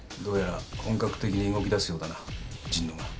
どうやら本格的に動きだすようだな。